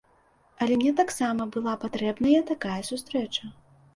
Але мне таксама была патрэбная такая сустрэча.